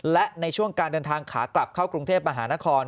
และในช่วงการเดินทางขากลับเข้ากรุงเทพมหานคร